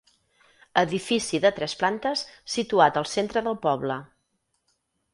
Edifici de tres plantes situat al centre del poble.